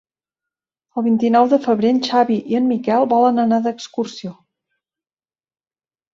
El vint-i-nou de febrer en Xavi i en Miquel volen anar d'excursió.